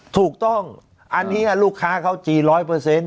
ถูกต้องอันนี้ลูกค้าเขาจีนร้อยเปอร์เซ็นต